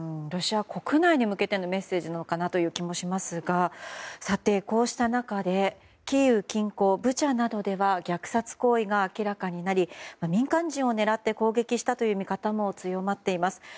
ロシア国内に向けてのメッセージなのかなという気もしますがさて、こうした中でキーウ近郊ブチャなどでは虐殺行為が明らかになり民間人を狙って攻撃したという見方も強まっています。